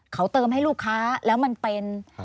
เขาเติมให้ลูกค้าแล้วมันเป็น